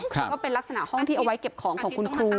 ก็เป็นลักษณะห้องที่เอาไว้เก็บของของคุณครู